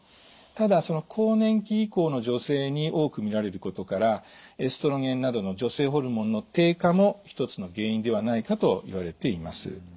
ただ更年期以降の女性に多くみられることからエストロゲンなどの女性ホルモンの低下も一つの原因ではないかといわれています。